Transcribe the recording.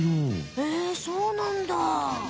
へえそうなんだ！